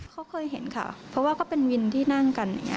เขาเคยเห็นค่ะเพราะว่าก็เป็นวินที่นั่งกันอย่างนี้